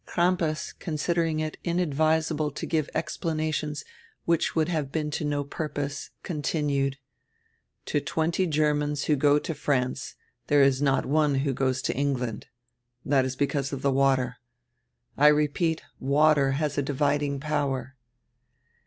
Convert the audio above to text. Crampas, considering it inadvisable to give explanations which would have been to no purpose, continued: "To twenty Germans who go to France there is not one who goes to England. That is because of die water. I repeat, water has a dividing power."